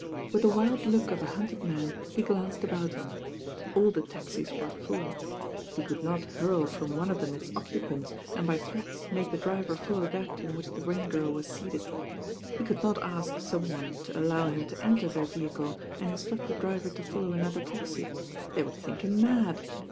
With the wild look of a hunted man, he glanced about him. All the taxit were full. He could not hurl from one of them its occupants, and by threats make the driver follow that in which the Rain^irl was seated. He could not ask some one to allow hmi to enter their vehicle, and instruct the driver to follow another taxi. They would think him mad.